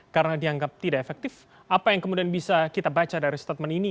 karena dianggap tidak efektif apa yang kemudian bisa kita baca dari statement ini